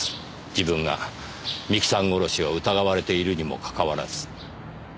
自分が三木さん殺しを疑われているにもかかわらず。